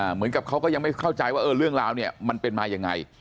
เหมือนกับเขาก็ยังไม่เข้าใจว่าเรื่องราวเนี่ยมันเป็นมายังไง